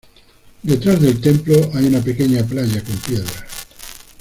Detrás del templo hay una pequeña playa con piedras.